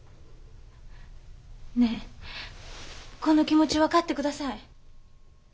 ねえこの気持ち分かって下さい。